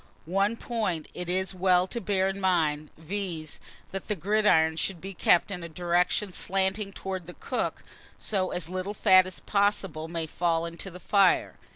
One point it is well to bear in mind, viz., that the gridiron should be kept in a direction slanting towards the cook, so that as little fat as possible may fall into the fire.